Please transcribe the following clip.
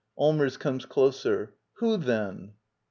Allmers. [Comes closer.] Who, then?